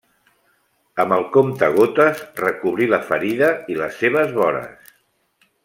Amb el comptagotes recobrir la ferida i les seves vores.